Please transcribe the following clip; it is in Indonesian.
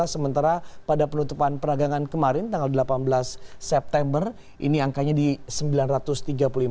sementara pada penutupan peragangan kemarin tanggal delapan belas september ini angkanya di rp sembilan ratus tiga puluh lima